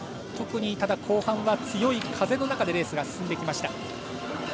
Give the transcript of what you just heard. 特に、後半は強い風の中でレースが進んでいきました。